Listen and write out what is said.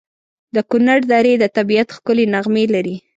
د کنړ درې د طبیعت ښکلي نغمې لري.